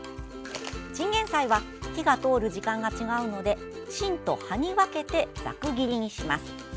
チンゲンサイは火が通る時間が違うので芯と葉に分けてざく切りにします。